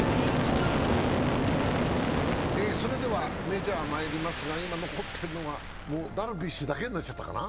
メジャーまいりますが今残っているのはダルビッシュだけになっちゃったかな。